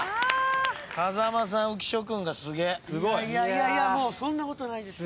いやいやそんなことないです。